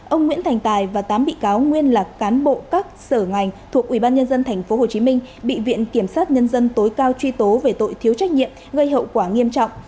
ông nguyễn thành tài và tám bị cáo nguyên là cán bộ các sở ngành thuộc ubnd tp hcm bị viện kiểm sát nhân dân tối cao truy tố về tội thiếu trách nhiệm gây hậu quả nghiêm trọng